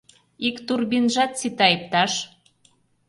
Ик турбинжат сита, ипташ.